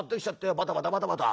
バタバタバタバタ。